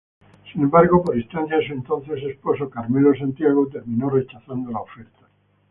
Sin embargo por instancias de su entonces esposo, Carmelo Santiago, terminó rechazando la oferta.